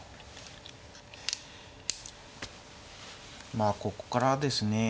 まあここからですね